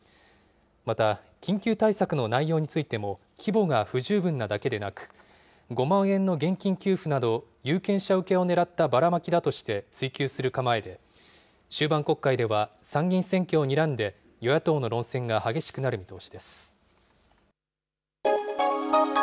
また緊急対策の内容についても、規模が不十分なだけでなく、５万円の現金給付など、有権者受けをねらったバラマキだとして追及する構えで、終盤国会では参議院選挙をにらんで、与野党の論戦が激しくなる見通しです。